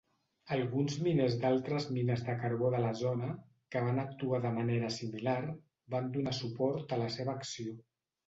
Alguns miners d'altres mines de carbó de la zona, que van actuar de manera similar, van donar suport a la seva acció.